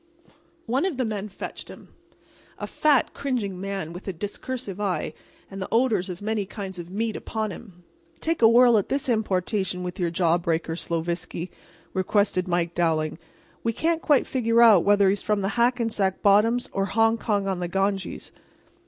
One of the men fetched him—a fat, cringing man, with a discursive eye and the odors of many kinds of meats upon him. "Take a whirl at this importation with your jaw breakers, Sloviski," requested Mike Dowling. "We can't quite figure out whether he's from the Hackensack bottoms or Hongkong on the Ganges."